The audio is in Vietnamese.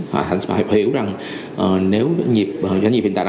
họ hiểu rằng nếu doanh nghiệp hiện tại